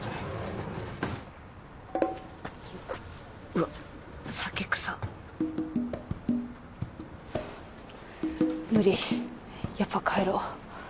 うわっ酒臭っ無理やっぱ帰ろう。